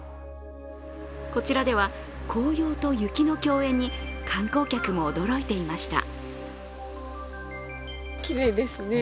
こちらでは紅葉と雪の共演に観光客も驚いていました。